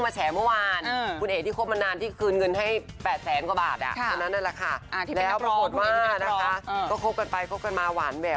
ฮหาญชาปชมพูผู้หญิงชมพูคนนั้น